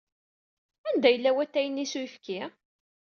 Anda yella watay-nni s uyefki?